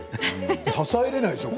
支えられないでしょう？